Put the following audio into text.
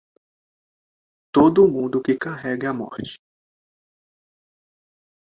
Todo mundo que carrega a morte.